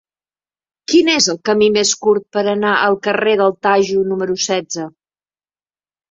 Quin és el camí més curt per anar al carrer del Tajo número setze?